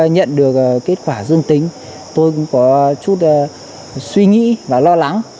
nhận được kết quả dương tính tôi cũng có chút suy nghĩ và lo lắng